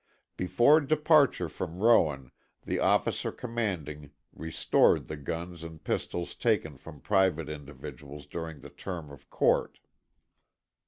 Before departure from Rowan the officer commanding restored the guns and pistols taken from private individuals during the term of court.